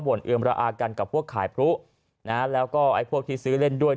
เอือมระอากันกับพวกขายพลุนะฮะแล้วก็ไอ้พวกที่ซื้อเล่นด้วย